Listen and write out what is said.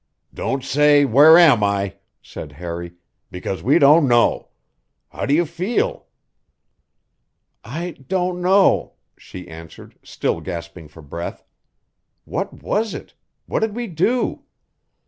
"Don't say 'Where am I?'" said Harry, "because we don't know. How do you feel?" "I don't know," she answered, still gasping for breath. "What was it? What did we do?"